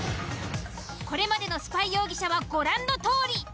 これまでのスパイ容疑者はご覧のとおり。